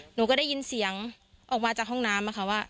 หนูก็ได้ยินเสียงออกมาจากห้องน้ำค่ะว่า